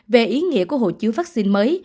về ý nghĩa của hộ chiếu vaccine mới